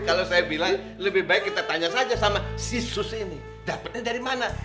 kalau saya bilang lebih baik kita tanya saja sama sisus ini dapatnya dari mana